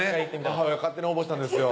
「母親勝手に応募したんですよ」